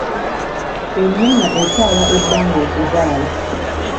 Ennyana etwala ebbanga okuzaala.